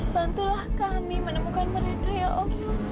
bantulah kami menemukan mereka ya om